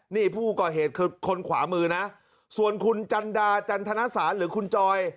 นี่ผู้ก่อเหตุคือคนขวามือนะส่วนคุณจันดาจันทนสารหรือคุณจอย